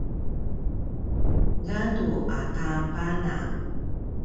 gadu ata pana